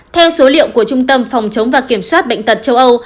theo số liệu của trung tâm phòng chống và kiểm soát bệnh tật châu âu